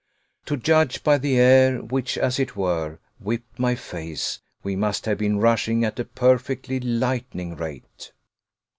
To judge by the air which, as it were, whipped my face, we must have been rushing at a perfectly lightning rate.